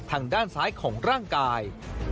ทางด้านซ้ายของร่างกาย